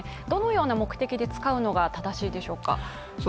どのような目的で使うのが正しいでしょうか？